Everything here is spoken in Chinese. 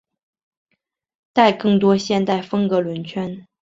带更多现代风格轮圈。